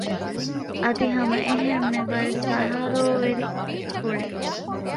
އަދި ހަމަ އެހެންމެ ވަރަށް ސަހަރޯވެރި ބޭފުޅެއް